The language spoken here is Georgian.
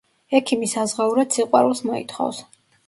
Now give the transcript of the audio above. ექიმი საზღაურად სიყვარულს მოითხოვს.